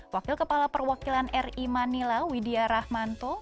wakil kepala perwakilan ri manila widya rahmanto